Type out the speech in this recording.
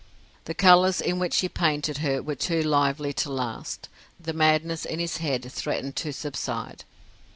The colours in which he painted her were too lively to last; the madness in his head threatened to subside.